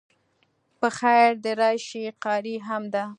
په خیر د راشی قاری هم ده